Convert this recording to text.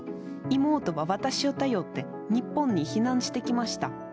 妹は、私を頼って日本に避難してきました。